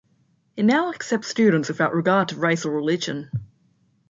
It now accepts students without regard to race or religion.